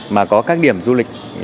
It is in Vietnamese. mà có các điểm du lịch